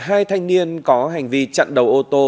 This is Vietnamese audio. hai thanh niên có hành vi chặn đầu ô tô